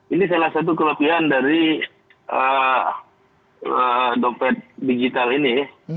ini salah satu kelebihan dari dompet digital ini